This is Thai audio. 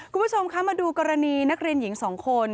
คุณผู้ชมคะมาดูกรณีนักเรียนหญิง๒คน